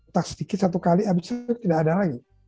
tak sedikit satu kali habis itu tidak ada lagi